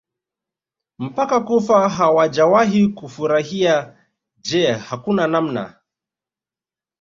mpaka kufa hawajawahi kufurahia Je hakuna namna